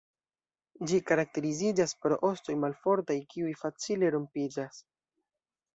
Ĝi karakteriziĝas pro ostoj malfortaj kiuj facile rompiĝas.